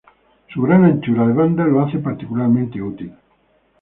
Su gran anchura de banda lo hace particularmente útil.